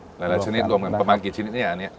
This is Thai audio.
หลายชนิดรวมกันประมาณกี่ชนิดเนี่ยอันนี้